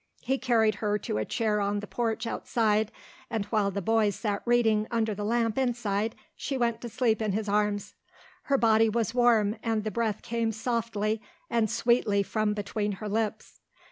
He carried her to a chair on the porch outside and while the boys sat reading under the lamp inside she went to sleep in his arms. Her body was warm and the breath came softly and sweetly from between her lips.